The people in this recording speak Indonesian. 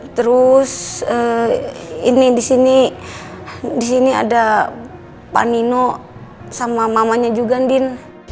terus ini disini ada pak nino sama mamanya juga din